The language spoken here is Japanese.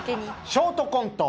ショートコント